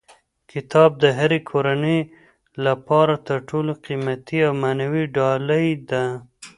کتاب د هرې کورنۍ لپاره تر ټولو قیمتي او معنوي ډالۍ ده.